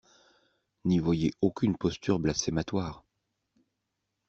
N’y voyez aucune posture blasphématoire.